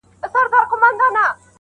امتحان لره راغلی کوه کن د زمانې یم,